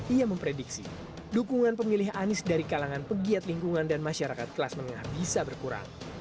ia memprediksi dukungan pemilih anies dari kalangan pegiat lingkungan dan masyarakat kelas menengah bisa berkurang